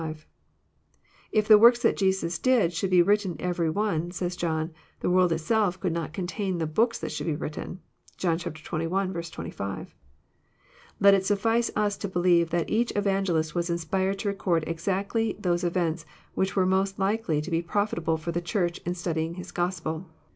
If the works that Jesus did should be written every one," says John, the world Itself could not contain the books that should be written." (John xxi. 25.) Let it suffice us to believe that each Evangelist was inspired to re cord exactly those events which were most likely to be profita ble for the Church in studying his Gospel.